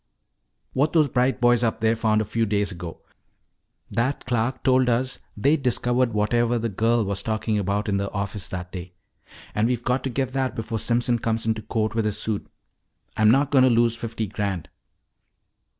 "What those bright boys up there found a few days ago. That clerk told us that they'd discovered whatever the girl was talking about in the office that day. And we've got to get that before Simpson comes into court with his suit. I'm not going to lose fifty grand."